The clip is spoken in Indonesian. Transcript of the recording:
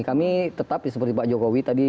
kami tetap ya seperti pak jokowi tadi